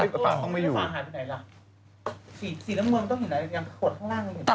ปลาหายไปไหนล่ะ